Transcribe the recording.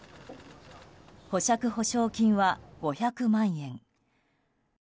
保釈保証金は５００万円。